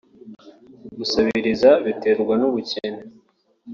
Gusabiriza biterwa n’ ubukene